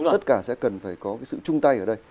tất cả sẽ cần phải có cái sự chung tay ở đây